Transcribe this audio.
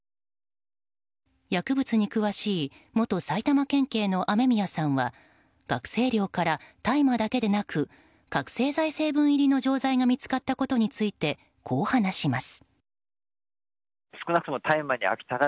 薬物に詳しい元埼玉県警の雨宮さんは学生寮から大麻だけでなく覚醒剤成分入りの錠剤が見つかったことについてこう話します。